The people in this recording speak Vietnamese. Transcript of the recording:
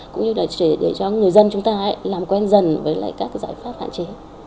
cũng như là để cho người dân chúng ta làm quen dần với lại các giải pháp hạn chế